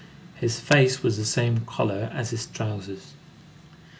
His face was the same color as his trousers.